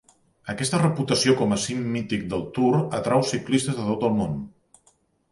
Aquesta reputació com a cim mític del Tour atrau ciclistes de tot el món.